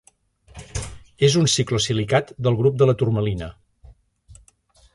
És un ciclosilicat del grup de la turmalina.